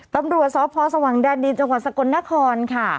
ตำรวจสพสว่างแดนดินจังหวัดสกลนครค่ะ